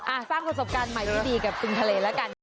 อ่าสร้างความสมบัติใหม่ดีกับปริงทะเลละกัน